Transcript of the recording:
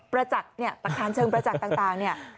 ประจักษ์น่ะหลักฐานเชิงประจักษ์ต่างนี่